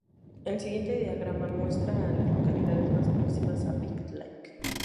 El siguiente diagrama muestra a las localidades más próximas a Big Lake.